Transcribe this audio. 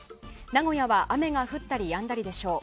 名古屋は雨が降ったりやんだりでしょう。